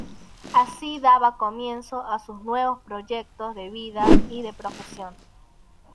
Así daba comienzo a sus nuevos proyectos de vida y de profesión.